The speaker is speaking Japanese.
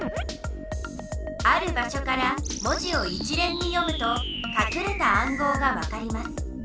ある場しょから文字を一連に読むとかくれた暗号がわかります。